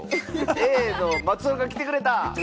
Ａの松尾が来てくれた。